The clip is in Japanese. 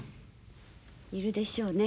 いるでしょうね